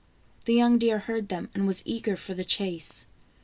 The young deer heard them, and was eager for the chase.